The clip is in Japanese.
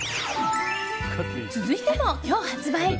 続いても今日発売。